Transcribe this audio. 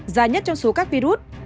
giá nhất trong số các virus